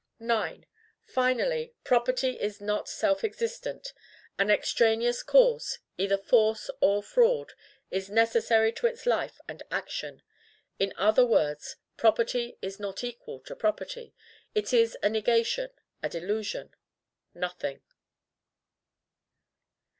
9. Finally, property is not self existent. An extraneous cause either FORCE or FRAUD is necessary to its life and action. In other words, property is not equal to property: it is a negation a delusion NOTHING.